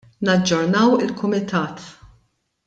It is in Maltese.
Naġġornaw il-Kumitat.